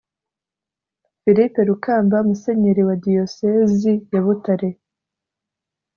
philippe rukamba, musenyeri wa diyosezi ya butare